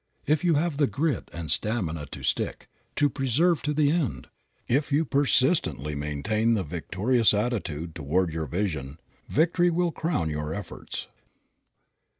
If you have the grit and stamina to stick, to persevere to the end, if you persistently maintain the victorious attitude toward your vision victory will crown your efforts.